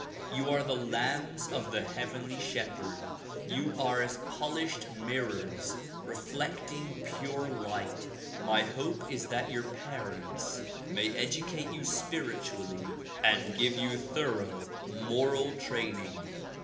You are the lambs of the heavenly shepherd. You are as polished mirrors reflecting pure light. My hope is that your parents may educate you spiritually and give you thorough moral training.